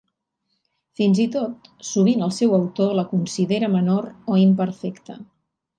Fins i tot, sovint el seu autor la considera menor o imperfecta.